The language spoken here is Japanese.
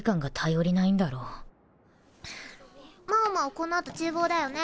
この後厨房だよね？